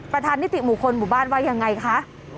ประธานิติหมู่คลหมู่บ้านว่ายังไงคะ